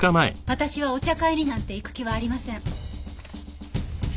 私はお茶会になんて行く気はありません。